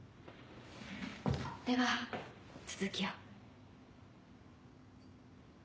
では続きを。